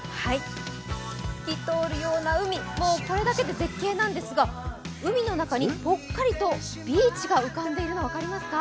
透き通るような海、これだけで絶景なんですが海の中にぽっかりとビーチが浮かんでいるの分かりますか。